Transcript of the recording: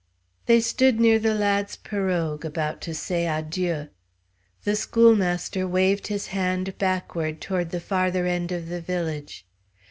They stood near the lad's pirogue about to say adieu; the schoolmaster waved his hand backward toward the farther end of the village.